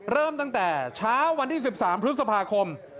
เริ่มตั้งแต่เช้าวันที่๑๓พฤษภาคม